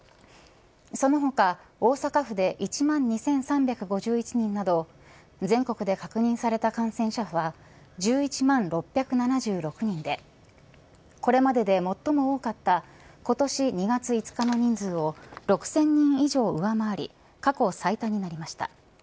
その他大阪府で１万２３５１人など全国で確認された感染者は１１万６７６人でこれまでで最も多かった今年２月５日の人数を６０００人以上、上回り過去最多になりました。